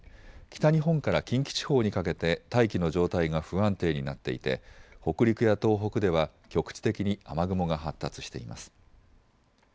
北日本から近畿地方にかけて大気の状態が不安定になっていて北陸や東北では局地的に雨雲が発達しています。